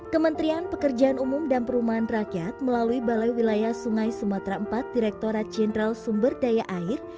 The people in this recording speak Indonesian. kementerian pekerjaan umum dan perumahan rakyat melalui balai wilayah sungai sumatera iv direkturat jenderal sumber daya air